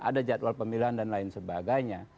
ada jadwal pemilihan dan lain sebagainya